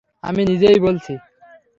আমি নিজেই বলছি।